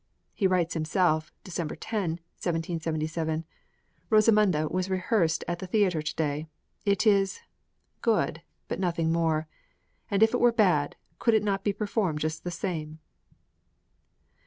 He writes himself (December 10, 1777): "'Rosamunde' was rehearsed at the theatre to day; it is good, but nothing more; and if it were bad, could it not be performed just the same?"